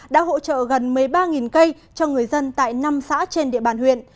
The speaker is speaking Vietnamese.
đã hỗ trợ gần một mươi ba cây cho người dân tại năm xã trên địa bàn huyện